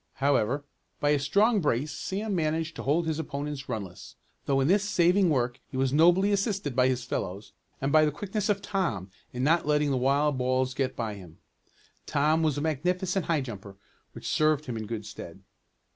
However, by a strong brace Sam managed to hold his opponents runless, though in this saving work he was nobly assisted by his fellows, and by the quickness of Tom in not letting the wild balls get by him. Tom was a magnificent high jumper, which served him in good stead.